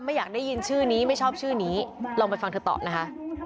ไม่อยากได้ยินชื่อนี้ไม่ชอบชื่อนี้ลองไปฟังเธอตอบนะคะ